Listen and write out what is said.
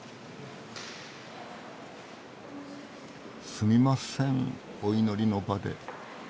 すみませんお祈りの場で。